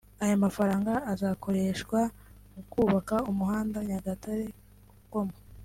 Aya mafaranga azakoreshwa mu kubaka umuhanda Nyagatare- Rukomo